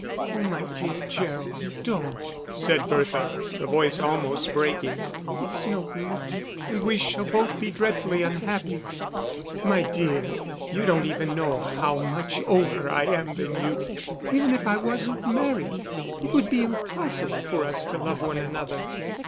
"Oh, my dear Gerald, don't," said Bertha, her voice almost breaking. "It's no good, and we shall both be dreadfully unhappy. My dear, you don't know how much older I am than you. Even if I wasn't married, it would be impossible for us to love one another."